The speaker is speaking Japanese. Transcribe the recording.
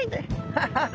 「ハハハ！」。